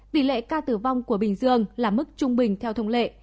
tỷ lệ ca tử vong của bình dương là mức trung bình theo thông lệ